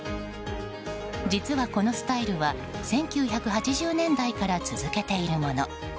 実は、このスタイルは１９８０年代から続けているもの。